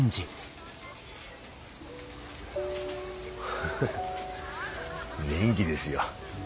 フフフ元気ですよ。